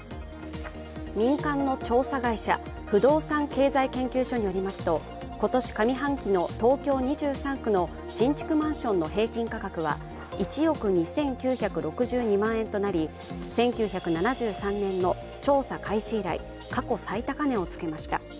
民間の調査会社不動産経済研究所によりますと、今年上半期の東京２３区の新築マンションの平均価格は１億２９６２万円となり、１９７３年の調査開始以来、過去最高値をつけました。